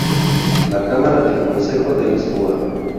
La cámara del Consejo de Lisboa.